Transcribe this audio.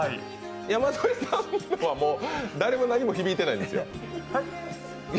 山添さんは、誰も何も響いてないですよ。